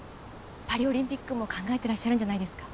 パリオリンピックも考えてらっしゃるんじゃないですか？